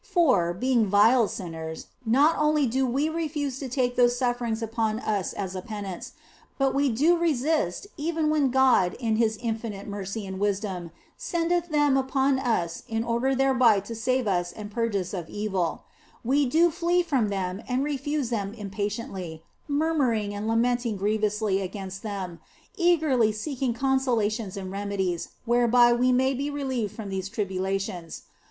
For, being vile sinners, not only do we refuse to take those sufferings upon us as a penance, but we do resist even when God in His supreme mercy and wisdom sendeth them upon us in order thereby to save us and purge us of evil ; we do flee from them and refuse them impatiently, murmuring and lamenting grievously against them, eagerly seeking consolations and remedies whereby we may be relieved from these tribulations.